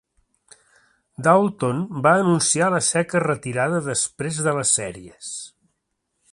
Daulton va anunciar la seca retirada després de les sèries.